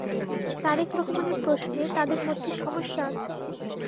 তারেক রহমানের প্রশ্নে তাদের মধ্যে সমস্যা আছে।